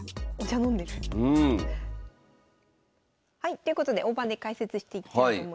ということで大盤で解説していきたいと思います。